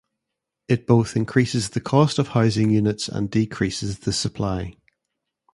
It both increases the cost of housing units and decreases the supply.